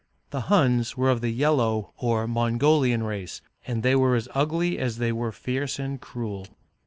The Huns were of the yellow or Mongolian race, and were as ugly as they were fierce and cruel.